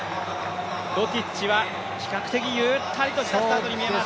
ロティッチは比較的ゆったりとしたスタートに見えます。